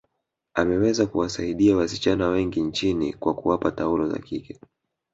ameweza kuwasaidia wasichana wengi nchini kwa kuwapa taulo za kike